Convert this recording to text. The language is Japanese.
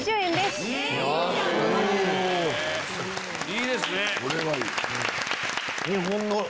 いいですね！